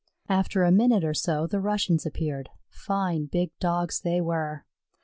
After a minute or so the Russians appeared fine big Dogs they were.